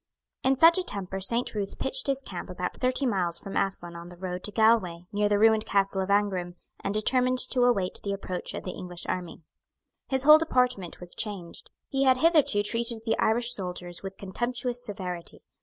In such a temper Saint Ruth pitched his camp about thirty miles from Athlone on the road to Galway, near the ruined castle of Aghrim, and determined to await the approach of the English army. His whole deportment was changed. He had hitherto treated the Irish soldiers with contemptuous severity.